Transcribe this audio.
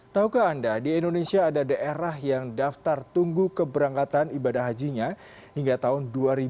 taukah anda di indonesia ada daerah yang daftar tunggu keberangkatan ibadah hajinya hingga tahun dua ribu dua puluh